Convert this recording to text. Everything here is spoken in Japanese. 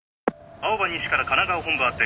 青葉西から神奈川本部あて。